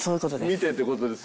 見てってことですよね。